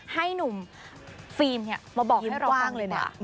ให้หนุ่มฟิล์มมาบอกให้เราฟังเลยนะ